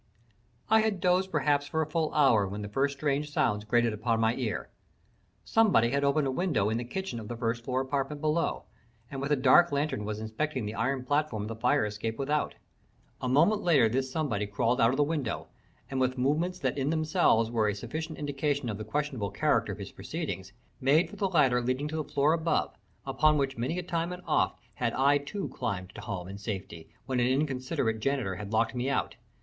I had dozed perhaps for a full hour when the first strange sounds grated upon my ear. Somebody had opened a window in the kitchen of the first floor apartment below, and with a dark lantern was inspecting the iron platform of the fire escape without. A moment later this somebody crawled out of the window, and with movements that in themselves were a sufficient indication of the questionable character of his proceedings, made for the ladder leading to the floor above, upon which many a time and oft had I too climbed to home and safety when an inconsiderate janitor had locked me out.